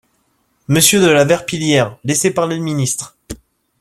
Monsieur de La Verpillière, laissez parler le ministre